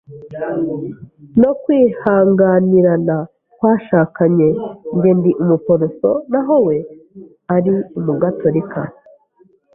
no kwihanganirana Twashakanye njye ndi umuporoso naho we ari Umugaturika,